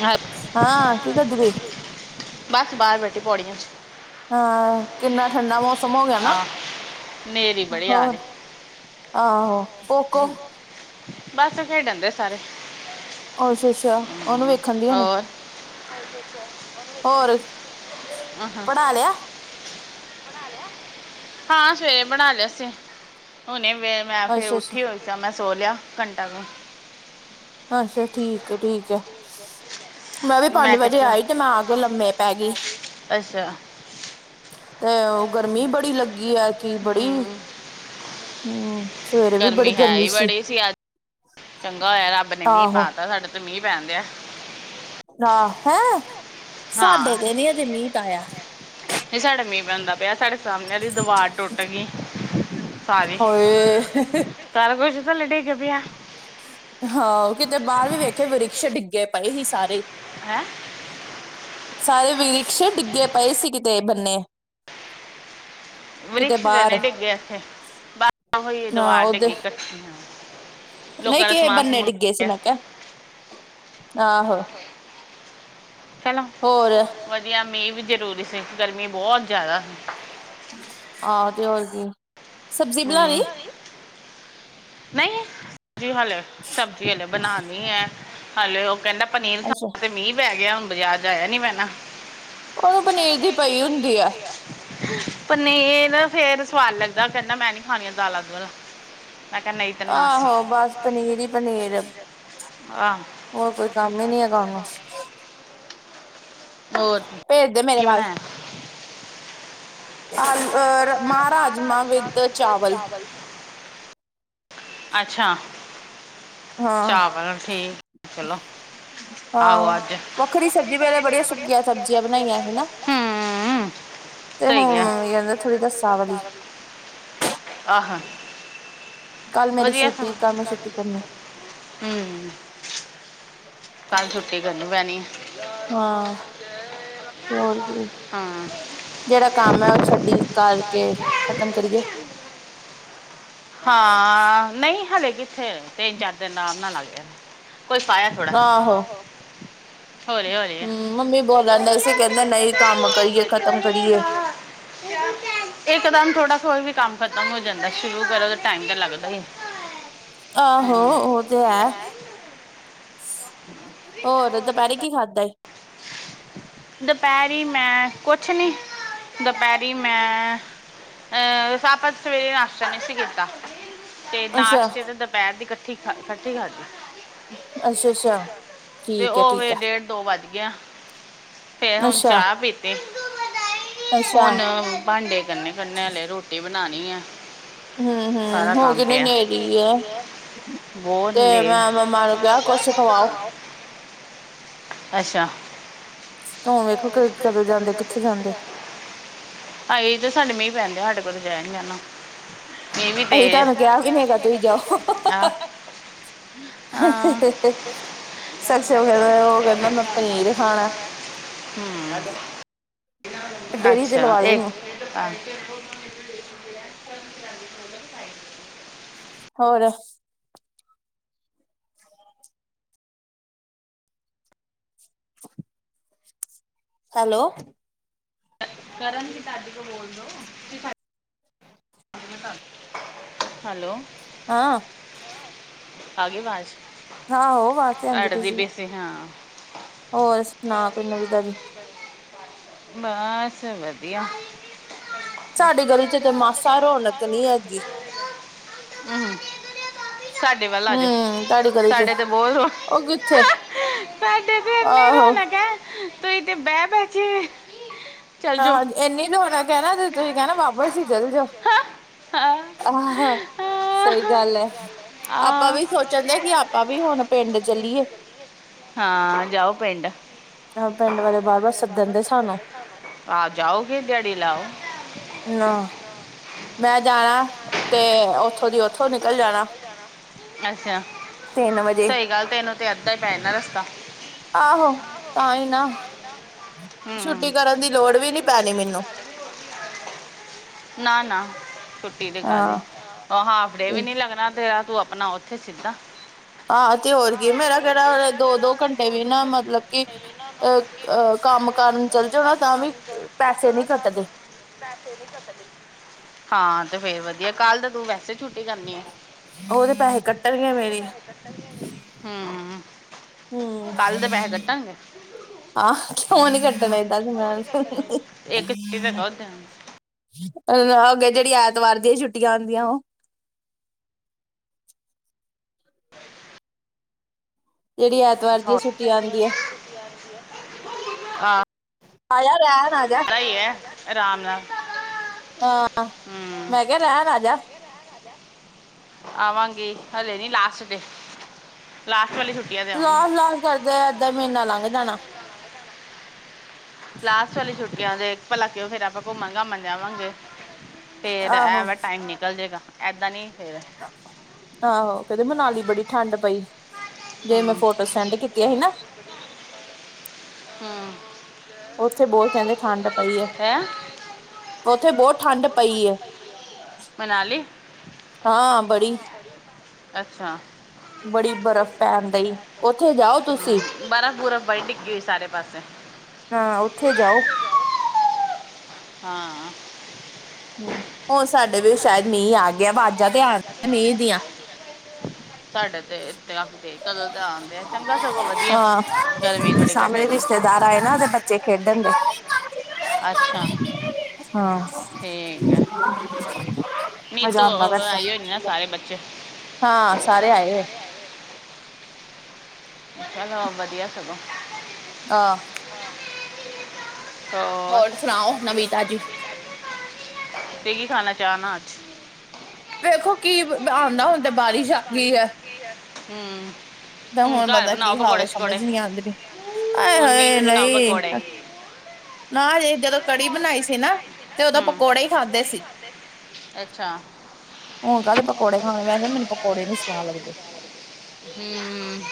ਹਾਂ, ਹਾਂ ਕੀ ਕਰਦੀ ਪਈ। ਬਸ ਬਾਹਰ ਬੈਠੀ ਪੌੜੀਆਂ 'ਚੱ ਹਾਂ ਕਿੰਨਾ ਠੰਡਾ ਮੌਸਂਮ ਹੋ ਗਿਆ ਨਾ ਆ ਨੇਰੀ ਬੜੀ ਆ ਹੋਰ ਰਹੀ ਆਹੋ ਕੋਕੋ ਹਮ, ਬਸ ਖੇਡਣ ਡਏ ਸਾਰੇ ਅੱਛਾ ਅੱਛਾ ਉਹਨੂੰ ਵੇਖਣ ਦੀਆਂ ਨੀ ਆਹ [unintelligible] ਪੜ੍ਹਾ ਲਿਆ ਹਾਂ ਸਵੇਰੇ ਬਣਾ ਲਿਆ ਸੀ ਹੁਣੇ ਮੈਂ ਫਿਰ ਅੱਛਾ ਉੱਠੀ ਅੱਛਾ ਹੋਈ ਜਾਂ ਮੈਂ ਸੋ ਲਿਆ ਘੰਟਾ ਤੋਂ ਅੱਛਾ ਠੀਕ ਹੈ ਠੀਕ ਹੈ ਵੀ ਪੰਜ ਮੈਂ [unintelligible] ਵਜੇ ਕਿਹਾ ਆਈ ਤੇ ਮੈਂ ਆ ਕੇ ਲੰਮੇ ਪੈ ਗਈ ਅੱਛਾ ਤੇ ਗਰਮੀ ਬੜੀ ਲੱਗੀ ਹੈ ਕਿ ਬੜੀ ਹਮ, ਹਮ ਸਵੇਰੇ ਵੀ ਬੜੀ ਗਰਮੀ ਹੈ ਗਰਮੀਂ ਹੀ ਸੀ ਬੜੀ ਅੱਜ ਚੰਗਾ ਹੋਇਆ ਰੱਬ ਨੇ ਮੀਂਹ ਆਹੋ ਪਾਤਾ ਸਾਡੇ ਤੋਂ ਮੀਂਹ ਪੈਣ ਡਿਆ ਆਹ ਹੈਂ ਸਾਡੇ ਤੇ ਨੀ ਹਾਂ ਹਜੇ ਮੀਂਹ ਪਾਇਆ ਨਹੀਂ ਸਾਡੇ ਮੀਹ ਪਉਂਦਾ ਪਿਆ ਸਾਡੇ ਸਾਹਮਣੇ ਦੀ ਦੀਵਾਰ ਟੁੱਟ ਗਈ ਸਾਰੀ ਹੋਏ ਸਾਰਾ ਕੁਛ ਥੱਲੇ ਡਿੱਗ ਪਿਆ ਹਾਂ ਉਹ ਕਿਤੇ ਬਾਹਰ ਵੀ ਵੇਖੇ ਵਰਿਕਕਸ਼ ਡਿੱਗੇ ਪਏ ਸੀ ਸਾਰੇ ਹੈਂ ਸਾਰੇ ਵਿਰਸ਼ ਡਿੱਗੇ ਪਏ ਸੀ ਕਿਤੇ ਬੰਨੇ ਕਿਤੇ ਵਰਕਸ਼ ਬਾਹਰ ਤੇਨ ਡਿੱਗੇਿਆ ਇਥੇ ਬ ਹੋਈ ਦ ਹਾਂ ਆ ਉਹਦੇ ਡਿੱਗੀ ਕੱਠੀ। ਨਹੀਂ ਕੇਹੇ ਬੰਨੇ ਡਿੱਗੇ ਸੀ ਮੈਂ ਕਿਹਾ ਆਹੋ। ਚਲੋ ਹੋਰ ਹੋ ਆਹੋ ਵਧੀਆ ਮੀਂਹ ਵੀ ਜ਼ਰੂਰੀ ਸੀ ਗਰਮੀ ਬਹੁਤ ਜ਼ਿਆਦਾ ਸੀ। ਆਹੋ ਤੇ ਹੋਰ ਕੀ ਸਬਜ਼ੀ ਬਣਾਉਣੀ। ਹਮ। ਨਹੀਂ ਸ ਹਲੇ ਸਬਜ਼ੀ ਹਲੇ ਬਣਾਉਣੀ ਹੈ ਹਾਲੇ ਉਹ ਕਹਿੰਦਾ। ਪਨੀਰ ਅੱਛਾ ਖਾਣ ਤੇ ਮੀਂਹ ਪੈ ਗਿਆ ਹੁਣ ਬਾਜ਼ਾਰ ਜਾ ਆਇਆ ਨੀ ਪੈਣਾ ਉਹਨੂੰ ਪਨੀਰ ਦੀ ਹੁੰਦੀ ਪਈ ਆ ਪਰ ਨਈ ਏ ਨਾ ਫੇਰ ਸਵਾਦ ਲੱਗਦਾ ਕੈਂਦਾ ਮੈਂ ਨਈ ਖਾਣੀਆਂ ਦਾਲਾਂ ਦੁਲਾਂ। ਆਹੋ ਬਸ ਪਨੀਰ ਈ ਪਨੀਰ। ਹੋਰ ਕੋਈ ਕੰਮ ਈ ਨਈ ਹੈਗਾ ਉਨੂੰ। ਹੋਰ ਕੀ ਬਣਾਇਆ। ਅਲ ਅਰ ਆਲੂ ਮਾਂ ਰਾਜਮਾ ਵਿਦ ਚਾਵਲ। ਬਲ ਅੱਛਾ, ਹਾਂ ਚਾਵਲ ਠੀਕ ਚਲੋ। ਆਹੋ ਅੱਜ। ਵੱਖਰੀ ਸਬਜ਼ੀ ਵੇਲੇ ਬੜੀਆਂ ਸੁੱਕੀਆਂ ਸਬਜ਼ੀਆਂ ਬਣਾਈਆਂ ਸੀ ਨਾ ਹੂੰ। ਤੇ ਸਹੀ ਹੁਣ ਗਿਆ ਮੰਮੀ ਕੈਂਦੇ ਹਾਂ ਆਹ। ਕੱਲ ਮੇਰੀ ਵਦੀਆ [unintelligible] ਹੂੰ, ਛੁੱਟੀ ਕੱਲ ਮੈਂ ਛੁੱਟੀ ਕਰਨੀ ਕੱਲ ਛੁੱਟੀ ਕਰਨੀ ਪੈਣੀ। ਹਾਂ। ਤੇ ਹੋਰ ਕੀਦੀ। ਹਾਂ। ਜੇੜਾ ਤੇਰਾ ਕੰਮ ਐ ਨਾਮ ਓ ਦਾ ਛੱਡੀ ਸੰਗੀਤ ਕਰਕੇ ਖਤਮ ਕਰੀਏ। ਹਾਂ, ਨਈ ਹਲੇ ਕਿਥੇ? ਤਿੰਨ-ਚਾਰ ਦਿਨ ਰਾਮ ਨਾਲ ਲੱਗ ਜਾਨੇ। ਕੋਈ ਫਾਇਆ ਥੋੜਾ, ਆਹੋ। ਹੋਲੀ- ਹੋਲੀ ਏ। ਹਮ ਮੰਮੀ ਬੋਲਣ ਡਈ ਸੀ ਕਹਿੰਦੇ ਨਹੀਂ ਕੰਮ ਕਰੀਏ ਖ਼ਤਮ ਕਰੀਏ ਇੱਕਦਮ ਥੋੜਾ ਕੋਈ ਵੀ ਕੰਮ ਖਤਮ ਹੋ ਜਾਂਦਾ ਸ਼ੁਰੂ ਕਰੋ ਤਾਂ ਟਾਈਮ ਤਾਂ ਲੱਗਦਾ ਈ ਏ। ਆਹੋ! ਉਹ ਤੇ ਹੈ। ਹੋਰ ਦੋਪੈਰੇ ਕੀ ਖਾਧਾ ਈ। ਦੋਪੈਰੀ ਮੈਂ ਕੁਛ ਨੀ, ਦੋਪੈਰੀ ਮੈਂ ਅਹ [unintelligible] ਸਵੇਰੇ ਨਾਸ਼ਤਾ ਨਈ ਸੀ ਕੀਤਾ ਤੇ ਅੱਛਾ ਨਾਸ਼ਤੇ ਤੇ ਦਪੈਰ ਦੀ ਕੱਠੀ ਖਾ, ਕੱਠੀ ਖਾਦੀ। ਅੱਛਾ ਅੱਛਾ ਤੇ ਠੀਕ ਹੈ ਠੀਕ ਓਵੇੇ ਹੈ ਡੇਢ-ਦੋ ਵੱਜ ਗਿਆ। ਫੇਰ ਹੁਣ ਅੱਛਾ ਚਾਹ ਪੀਤੀ, ਅੱਛਾ ਹੁਣ ਭਾਂਡੇੇ ਕਰਨੇ-ਕਰਨੇ ਹਲੇ ਰੋਟੀ ਬਨਾਨੀ ਏ। ਹੂੰ-ਹੂੰ, ਹੋਗੇ ਨੇ ਨੇੇਰੀ ਐ। ਬੌਤ ਲੇਟ ਕੁਛ ਖਵਾਓ ਅੱਛਾ। ਹੁਣ ਵੇਖੋ ਕਦੋਂ, ਕਦੋਂ ਜਾਂਦੇ, ਕਿੱਥੇ ਜਾਂਦੇ? ਆਏ ਤੇ ਸਾਡੇ ਮੀਂਹ ਪੈਂਡੇਆ ਸਾਡੇ ਕੋਲੋਂ ਤੇ ਜਾਈ ਨੀ ਜਾਨਾ। ਮੀਂ ਵੀ ਅਸੀਂ ਤੇਜ। ਤੁਹਾਨੂੰ ਕਿਹਾ ਵੀ ਨੀ ਹੈਗਾ ਤੁਸੀਂ ਜਾਓ ਆਂ ਓ ਕੈਂਦਾ ਮੈਂ ਪਨੀਰ ਖਾਣਾ। ਹੂੰ, ਡੇਅਰੀ ਤੇ ਲਵਾ ਦੇ ਇਹਨੂੰ ਅੱਛਾ, ਇੱਕ [unintelligible] ਹੋਰ [inaudible] ਹੈਲੋ। ਕਰਨ ਦੀ ਚਾਚੀ ਕੋ ਬੋਲਦੋ ਹੈਲੋ। ਆਂ। ਆ ਗੀ ਵਾਜ਼। ਆਹੋ ਵਾਜ਼ ਤੇ ਆਂਦੀ ਪੀ ਸੀ। ਤੇ ਹਾਂ। ਹੋਰ ਸੁਣਾ ਕੋਈ ਨਵੀ ਤਾਜੀ। ਬਸ ਵਦੀਆ। ਸਾਡੀ ਗਲੀ ਚ ਤੇ ਮਾਸਾ ਰੌਣਕ ਨੀ ਹੈਗੀ। ਹੁੰ। ਹੁੰ, ਤਾੜੀ ਕਰੀ ਚ, ਸਾਡੇ ਤੇ ਬਹੁਤ ਰੋ ਉਹ ਕਿੱਥੇ ਸਾਡੇ ਤੇ ਇੰਨੀ ਆਹੋ। ਰੌਣਕ ਹੈ ਤੇ ਈ ਤੇੇ ਬੈਹ ਬੈਹ ਕੇ ਚਲ ਜਾਓ ਹਾ-ਹਾ ਇਨੀ ਓਨਾ ਕੇਨਾ ਤੇ ਤੁਸੀਂ ਕਹਿਨਾ ਵਾਪਸ ਈ ਚੱਲ ਜਾਓ। ਹਾਂ ਆਹਾ ਸਹੀ ਗੱਲ ਐ, ਆਪਾਂ ਆ ਵੀ ਸੋਚ ਕੇਂਦੇ ਕਿ ਆਪਾਂ ਵੀ ਹੁਨ ਪਿੰਡ ਚੱਲੀਏ। ਹਾਂ ਜਾਓ ਪਿੰਡ। ਪਿੰਡ ਵਾਲੇ ਬਾਰ ਬਾਰ ਸੱਦਣ ਦੇ ਸਾਨੂੰ ਆਹ ਜਾਓਗੇ ਦੈਆੜੀ ਲਾਓ। [unintelligible] ਮੈਂ ਜਾਣਾ, ਤੇ ਓਥੋਂ ਦੀ ਓਥੋਂ ਨਿਕਲ ਜਾਣਾ। ਅੱਛਾ, ਤਿੰਨ ਵਜੇ ਸਹੀ ਗੱਲ ਤੇਨੂੰ ਤੇ ਅੱਧਾ ਈ ਪੈ ਜਨਾ ਰਸਤਾ। ਆਹੋ, ਤਾਂ ਈ ਨਾ, ਛੁੱਟੀ ਹੂੰ ਕਰਨ ਦੀ ਲੋੜ ਵੀ ਨੀ ਪੈਣੀ ਮੈਨੂੰ। ਨਾ-ਨਾ, ਛੁੱਟੀ ਤੇ ਕਾਦੀ, ਹਾਂ ਹਾਫ ਡੇ ਤੇ ਵੀ ਨੀ ਲੱਗਨਾ ਤੇਰਾ ਤੂੰ ਆਪਨਾ ਓ ਉੱਥੇ ਸਿੱਧਾ। ਆਂ, ਤੇ ਹੋਰ ਕੀ, ਮੇਰਾ ਤੇ ਰਾਹ ਵੇ ਦੋ ਦੋ ਘੰਟੇ ਵੀ ਨਾ ਮਤਲਬ ਕਿ ਅ ਅ ਕੰਮ ਕਰਨ ਚੱਲ ਜੋ ਨਾ ਤਾਂ ਵੀ ਪੈਸੇ ਨੀ ਕੱਟਦੇ। ਪੈਸੇ ਵੀ [unintelligible] ਹਾਂ ਤੇ ਫੇਰ ਵਧੀਆ, ਕੱਲ ਤੇ ਤੂੰ ਵੈਸੇ ਛੁੱਟੀ ਕਰਨੀ ਏ। ਉਹਦੇ ਪੈਹੇ ਕੱਟਨਗੇ ਮੇਰੇ। ਹੁੰ, ਕੱਲ ਦੇ ਪੈਹੇ ਕੱਟਨਗੇ। ਆਹ ਕਿਉਂ ਨੀ ਕੱਟਨੇ ਏਦਾਂ ਤੇ ਮੈ ਇੱਕ [unintelligible] ਅੱਲਗ ਜਿਹੜੀ ਐਤਵਾਰ ਦੀ ਛੁੱਟੀਆਂ ਆਂਦੀਆਂ ਉਹ। ਜਿਹੜੀ ਐਤਵਾਰ ਦੀ ਅ ਹੋਰ ਛੁੱਟੀ ਆਉਂਦੀ ਆ। ਆਯਾ ਰੇਨ ਆਜਾ। ਐ ਈ ਐ ਆਰਾਮ ਨਾ। ਆਂ, ਮੈਂ ਕਿਹਾ ਰੇਨ ਆਜਾ। ਆਵਾਂਗੀ, ਹਲੇ ਨੀ ਲਾਸਟ ਡੇ, ਲਾਸਟ ਵਾਲੀ ਛੁੱ ਲਾਸ ਲਾਸ ਕਰਦੇ ਅੱਧਾ ਮਹੀਨਾ ਲੰਘ ਜਾਨਾ। ਲਾਸਟ ਵਾਲੀ ਛੁੱਟੀਆਂ ਦੇ, ਭਲਾ ਕਉ ਫੇਰ ਆਪਾਂ ਘੁੰਮਨ-ਘਾਮਨ ਜਾਵਾਂਗੇ। ਫੇਰ ਐ ਆਹੋ ਵੇ ਟਾਈਮ ਨਿਕਲ ਜੇਗਾ। ਏਦਾਂ ਨੀ ਫੇਰ। ਆਹੋ, ਕੇਦੇ ਮਨਾਲੀ ਬੜੀ ਠੰਡ ਪਈ। ਜੇ ਮੈਂ ਫੋਟੋ ਸੈਂਡ ਕੀਤੀਆਂ ਸੀ ਨਾ। ਹਾਂ। ਉੱਥੇ ਬੋਤ ਕੇਂਦੇ ਠੰਡ ਪਈ ਐ। ਹੈ ਉੱਥੇ ਬੋਤ ਠੰਡ ਪਈ ਐ। ਮਨਾਲੀ। ਹਾਂ ਬੜੀ। ਅੱਛਾ। ਬੜੀ ਬਰਫ਼ ਪੈਨ ਡਈ, ਉੱਥੇ ਜਾਓ ਤੁਸੀਂ। ਹਮ, ਬਰਫ਼ ਬੁਰਫ਼ ਬੜੀ ਡਿੱਗੀ ਹੋਈ ਸਾਰੇ ਪਾਸੇ ਹਾਂ, ਉੱਥੇ ਜਾਓ। ਹਾਂ। ਹੁੰ, ਓ ਸਾਡੇ ਵੀ ਸ਼ਾਇਦ ਮੀਂਹ ਆ ਗਿਆ ਵਾਜ਼ਾਂ ਤੇ ਆਂ ਮੀਂਹ ਦੀਆਂ। ਸਾਡੇ ਤੇ [unintelligible] ਕਦੋਂ ਤਾਂ ਆਂਦੇਆ ਚੰਗਾ ਸਗੋਂ ਵਧੀਆ ਹਾਂ ਗਰਮੀ ਥੋੜੀ ਸਾਹਮਣੇ ਘੱਟੇਗੀ। ਰਿਸ਼ਤੇਦਾਰ ਆਏ ਨਾ ਉਹਦੇ ਬੱਚੇ ਖੇਡਣ ਦੇ ਅੱਛਾ ਹਾਂ, ਠੀਕ ਹੈ ਮਜ਼ਾ ਨੀਤੂ ਆਂਦਾ ਪਿਆ ਏਥੇ। [unintelligible] ਨਾ ਸਾਰੇ ਬੱਚੇ ਹਾਂ ਸਾਰੇ ਆਏ ਹੋਏ। ਅੱਛਾ ਤਾਂ ਵਧੀਆ ਸਗੋਂ। ਆਹ ਹੋਰ ਸੁਣਾਓ ਨਵੀਂ ਤਾਜੀ ਤੇ ਕੀ ਖਾਣਾ ਚਾ ਨਾ ਅੱਜ। ਵੇਖੋ ਕੀ ਆਉਂਦਾ ਹੁੰਦਾ ਬਾਰਿਸ਼ ਆ ਗਈ ਹੈ। ਹਮ ਤਾਂ ਹੁਣ ਬੰਦਾ ਕੀ ਖਾਵੇ ਸਮਝ ਨੀ ਆਉਂਦੀ ਪੀ ਆਏ ਹੁਣ ਮੀਂਹ ਹੋਾਏ ਚ ਬਣਾਓ ਨਹੀ ਪਕੌੜੇ ਨਾਜੇ ਜਦੋਂ ਕੜੀ ਬਣਾਈ ਸੀ ਨਾ ਤੇ ਉਓਦੋਂ ਹੂੰ ਪਕੌੜੇ ਹੀ ਖਾਂਦੇ ਸੀ। ਅੱਛਾ ਹੁਣ ਕਾਹਦੇ ਪਕੌੜੇ ਖਾਣੇ ਵੈਸੇ ਮੈਨੂੰ ਪਕੌੜੇ ਨੀ ਸਵਾਣ ਲੱਗਦੇ। ਹਮ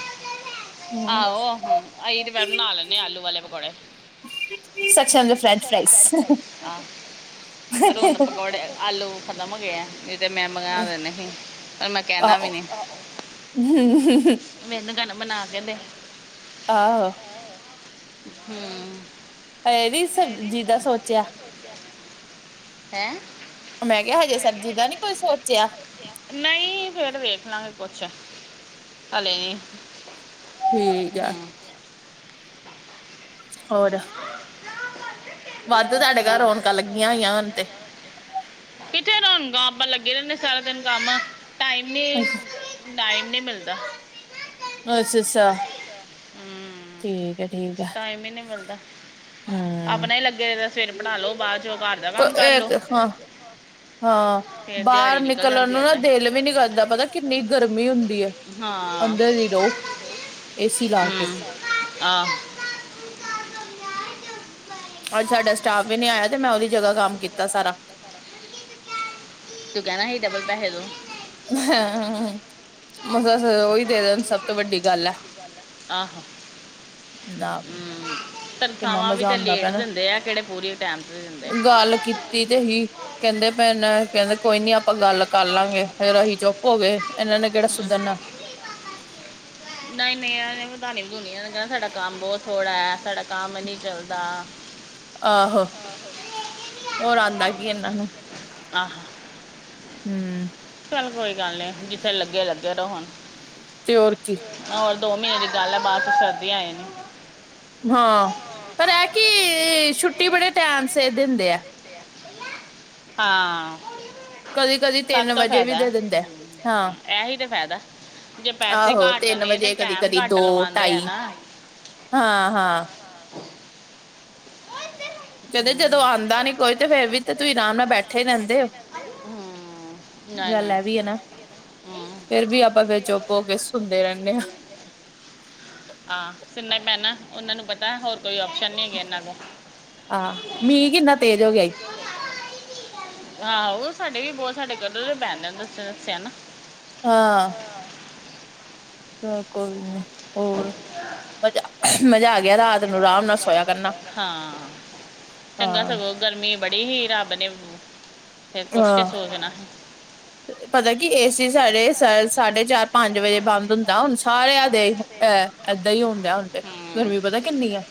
ਆਹੋ ਹਮ ਅਸੀਂ ਤੇ ਫ ਬਣਾ ਲੇਨੇ ਆ ਆਲੂ ਵਾਲੇ ਪਕੌੜੇ। [unintelligible] ਫਰੈਂਚ ਫਾਈਸ। ਹਾਂ ਰੁਣ ਪਕੌੜੇ ਆਲੂ ਖਤਮ ਹੋਗੇ ਆ। ਤੇ ਮੈ ਮੰਗਵਾ ਦੇਨੇ ਸੀ ਪਰ ਮੈ ਕਹਿਣਾ ਵੀ ਆਹੋ ਨੀ। ਮੈਨੂੰ ਕਹਿਨਾ ਬਣਾ ਕੇ ਦੇ। ਆਹੋ ਹੂੰ ਹਜੇ ਨੀ ਸਬਜ਼ੀ ਦਾ ਸੋਚਿਆ [unintelligible] ਹੈਂ ਮੈਂ ਕਿਹਾ ਹਜੇ ਸਬਜ਼ੀ ਦਾ ਨੀ ਕੋਈ ਸੋਚਿਆ [unintelligible] ਨਹੀ ਫੇਰ ਵੇਖ ਲਾਂਗੇ ਕੁਛ ਹਲੇ ਨੀ। ਠੀਕ ਆ। ਹੋਰ ਵੱਧ ਤੁਹਾਡੇ ਘਰ ਹਾਂ ਰਣਕ ਲੱਗੀਆਂ ਹੋਈਆਂ ਹੁਣ ਤੇ। ਕਿਥੇ ਰੌਣਕਾਂ ਆਪਾਂ ਲੱਗੇ ਰਹਿੰਦੇ ਸਾਰਾ ਦਿਨ ਕਮ ਟਾਈਮ ਨੀ ਟਾਈਮ ਨੀ ਮਿਲਦਾ। ਅੱਛਾ-ਅੱਛਾ ਹਮ ਠੀਕ ਹੈ, ਠੀਕ ਹੈ ਟਾਈਮ ਹੀ ਨਹੀਂ ਹਮ। ਦਾ ਸਵੇਰ ਬਣਾ ਲ ਲੋ ਬਾਅਦ ਚ ਇਹ ਤੇ ਹਾਂ, ਹਾਂ। ਫਿਰ ਬਾਰ ਦਿਹਾੜੀ ਨਿਕਲ ਨਿਕਲਣ ਜਾਂਦੀ ਨੂੰ ਨਾ ਐਦਾਂ ਦਿਲ ਵੀ ਨੀ ਕਰਦਾ ਪਤਾ ਕਿੰਨੀ ਗਰਮੀ ਹੁੰਦੀ ਹੈ। ਹਾਂ ਅੰਦਰ ਹੀ ਰੋ, ਏਸੀ ਲਾ ਕੇ। ਹਮ, ਆਹ ਅੱਜ ਸਾਡਾ ਸਟਾਫ ਵੀ ਨੀ ਆਇਆ ਤੇ ਮੈਂ ਉਹਦੀ ਜਗ੍ਹਾ ਕੰਮ ਕੀਤਾ ਸਾਰਾ ਤੂੰ ਕਹਿਨਾ ਹੀ ਡਬਲ ਪੈਹੈ ਦੋ। ਹ ਮੱਸਾ ਉਹੀ ਦੇ ਦੇਣ ਸਭ ਤੋਂ ਵੱਡੀ ਗੱਲ ਹੈ। ਆਹੋ ਦਾ ਥਾਵਾਂ ਵੀ ਤੇ ਲੇਟ ਨਾ ਦਿੰਦੇ ਆ ਕਿਹੜੇ ਪੂਰੀ ਟਾਈਮ ਤੇ ਦਿੰਦੇ ਗੱਲ ਕੀਤੀ ਤੇ ਹੀ। ਕਹਿਦੇ ਪੈ ਨ ਇਹਨਾਂ ਕਹਿਦੇ ਕੋਈ ਨੀ ਆਪਾਂ ਗੱਲ ਕਰ ਲਾਂਗੇ ਫੇਰ ਰਹੀ ਚੁੱਪ ਹੋ ਗਏ ਇਹਨਾਂ ਨੇ ਕਿਹੜਾ ਸੁਧਰਣਾ। ਨਹੀ-ਨਹੀ ਇਹ ਵਧਾਨੀ ਵਧੂਣੀ ਕਹਿਣਾ ਸਾਡਾ- ਕਮ ਬਹੁਤ ਥੋੜਾ ਸਾਡਾ ਕਮ ਨੀ ਚਲਦਾ। ਆਹੋ ਹੋਰ ਆਉਦਾ ਕੀ ਇਹਨਾਂ ਨੂੰ। ਆਹੋ ਹੂੰ ਚੱਲ ਕੋਈ ਗੱਲ ਨੀ ਜਿਥੇ ਲਗੇ, ਲਗੇ ਰੋ ਹੁਣ। ਤੇ ਹੋਰ ਕੀ ਹੋਰ ਦੋ ਮਹੀਨੇ ਦੀ ਗੱਲ ਆ ਬਾਦ ਚ ਸਰਦੀ ਆ ਜਾਣੀ। ਹਾਂ ਪਰ ਇਹ ਕਿ ਛੁੱਟੀ ਬੜੇ ਟੈਮ ਸ ਦਿੰਦੇ ਆ। ਹਾਂ ਕਦੀ-ਕਦੀ ਸਭ ਤਿੰਨ ਤੋਂ ਵਜੇ ਵੀ ਫਾਇਦਾ ਦੇ ਦੇਂਦੇ ਹੈ ਹਾਂ। ਇਹੀ ਤੇ ਫਾਇਦਾ ਜੇ ਪੈਸੇ ਆਹੋ, ਘੱਟ ਤਿੰਨ ਨੇ ਤੇ ਵਜੇ ਕਦੀ ਟਾਈਮ -ਕਦੀ, ਘੱਟ ਦੋ ਲਵਾਉਂਦੇ ਆ ਢਾਈ ਹਾਂ- ਹਾਂ- ਹਾਂ- [inaudible] ਕਹਿੰਦੇ, ਜਦੋਂ ਆਉਦਾ ਨੀ ਕੋਈ ਤੇ ਫੇਰ ਵੀ ਤੇ ਤੁਸੀ ਆਰਾਮ ਨਾਲ ਬੈਠੇ ਰਹਿਦੇ ਹੋ। ਨਈ ਗੱਲ ਨਈ, ਇਹ ਵੀ ਹੈ ਨਾ ਹੂੰ। ਫੇਰ ਵੀ ਆਪਾਂ ਫੇਰ ਚੁੱਪ ਹੋ ਕੇ ਸੁਣਦੇ ਰਹਿੰਦੇ ਹਾਂ ਹਾ ਸੁਣਨਾ ਈ ਪੈਣਾ, ਉਹਨਾਂ ਨੂੰ ਪਤਾ ਹੋਰ ਕੋਈ ਆਪਸ਼ਨ ਨਹੀਂ ਹੈਗਾ ਇਹਨਾਂ ਕੋਲ ਹਾਂ, ਮੀਂਹ ਕਿੰਨਾ ਤੇਜ਼ ਹੋ ਗਿਆ ਈ। ਆਹੋ, ਉਹ ਸਾਡੇ ਵੀ [unintelligible] ਬਹੁਤ ਸਾਡੇ ਕਦੇ ਬੈਨ ਨੇ ਦੱਸ ਦੱਸਿਆ ਨਾ [unintelligible] ਹਾਂ। ਨ ਕੋਲ- [unintelligible] ਹੋਰ, ਮਜ਼ਾ, ਮਜ਼ਾ ਆ ਗਿਆ ਰਾਤ ਨੂੰ, ਆਰਾਮ ਨਾਲ ਸੋਇਆ ਕਰਨਾ। ਹਾਂ। ਚੰਗਾ ਹਾਂ। ਸਗੋਂ ਗਰਮੀ ਬੜੀ ਸੀ। ਰੱਬ ਨੇ, ਫੇਰ ਕੁਛ ਤੇ ਸੋਚਣਾ। ਹ [unintelligible] ਪਤਾ ਕੀ, ਏ ਸੀ ਸਾਡੇ ਸਾਢੇ ਚਾਰ ਪੰਜ ਵਜੇ ਬੰਦ ਹੁੰਦਾ ਹੁਣ ਸਾਰਿਆਂ ਦੇ। ਇਹ, ਏਦਾਂ ਹੀ ਹੋਣ ਡ ਹੁਣ ਤੇ ਹੂੰ ਗਰਮੀ ਪਤਾ ਕਿੰਨੀ ਆ।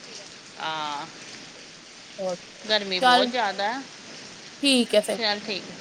ਆ ਹੋ, ਗਰਮੀ ਬਹੁਤ ਚੱਲ। ਜ਼ਿਆਦਾ [unintelligible] ਠੀਕ ਹੈ, ਫਿਰ। ਚਲ ਠੀਕ ਹੈ